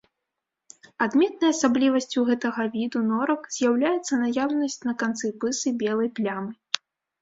Адметнай асаблівасцю гэтага віду норак з'яўляецца наяўнасць на канцы пысы белай плямы.